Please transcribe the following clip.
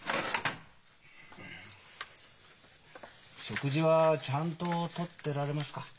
食事はちゃんととってられますか？